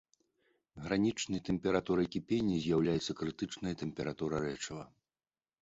Гранічнай тэмпературай кіпення з'яўляецца крытычная тэмпература рэчыва.